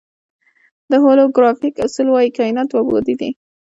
د هولوګرافیک اصول وایي کائنات دوه بعدی دی.